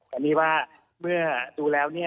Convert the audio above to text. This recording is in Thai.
อันนี้ว่าเมื่อดูแล้วเนี่ย